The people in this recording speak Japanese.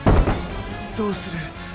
どうする？